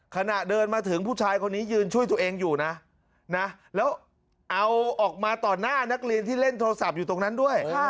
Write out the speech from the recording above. ขณะเดินมาถึงผู้ชายคนนี้ยืนช่วยตัวเองอยู่นะแล้วเอาออกมาต่อหน้านักเรียนที่เล่นโทรศัพท์อยู่ตรงนั้นด้วย